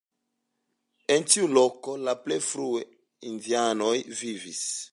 En tiu loko la plej frue indianoj vivis.